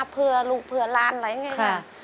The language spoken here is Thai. เพื่อลูกเพื่อหลานอะไรอย่างนี้ค่ะ